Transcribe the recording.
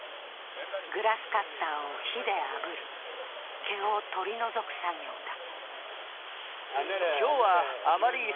グラスカッターを火であぶり毛を取り除く作業だ。